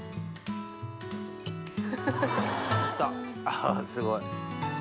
あっすごい。